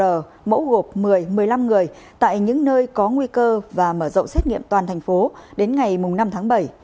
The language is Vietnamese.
mẫu gộp một mươi một mươi năm người tại những nơi có nguy cơ và mở rộng xét nghiệm toàn thành phố đến ngày năm tháng bảy